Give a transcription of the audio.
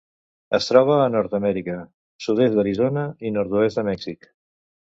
Es troba a Nord-amèrica: sud-est d'Arizona i nord-oest de Mèxic.